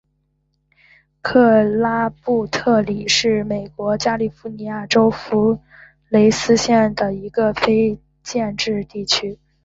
克拉布特里是位于美国加利福尼亚州弗雷斯诺县的一个非建制地区。